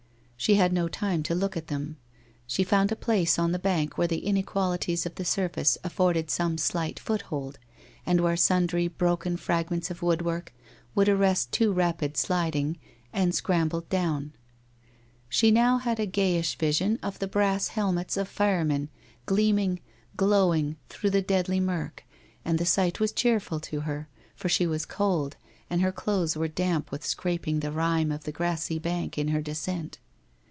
She had no time to look at them. She found a place WHITE ROSE OF WEARY LEAF 239 on the bank where the inequalities of the surface afforded some slight foothold, and where sundry broken fragments of woodwork would arrest too rapid sliding, and scram bled down. She now had a gayish vision of the brass helmets of fire men gleaming, glowing through the deadly mirk, and the sight was cheerful to her, for she was cold, and her clothes were damp with scraping the rime of the grassy bank in her descent.